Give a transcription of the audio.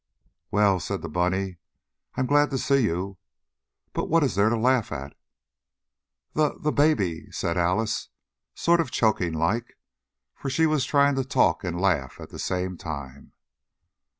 "Well!" said the bunny. "I'm glad to see you, but what is there to laugh at?" "The the baby!" said Alice, sort of choking like, for she was trying to talk and laugh at the same time.